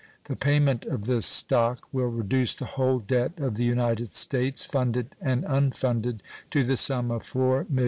The payment of this stock will reduce the whole debt of the United States, funded and unfunded, to the sum of $4,760,082.